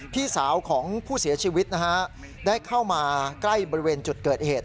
พี่สาวของผู้เสียชีวิตนะฮะได้เข้ามาใกล้บริเวณจุดเกิดเหตุ